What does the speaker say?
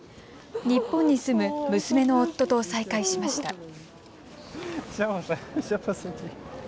日本に住む娘の夫と再会しました。